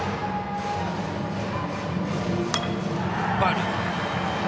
ファウル。